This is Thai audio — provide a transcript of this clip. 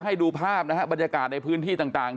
ให้ดูภาพนะฮะบรรยากาศในพื้นที่ต่าง